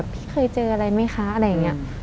พี่เคยเจออะไรไหมคะอะไรอย่างนี้